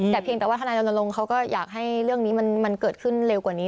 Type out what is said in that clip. แต่เพียงแต่ว่าทนายรณรงค์เขาก็อยากให้เรื่องนี้มันเกิดขึ้นเร็วกว่านี้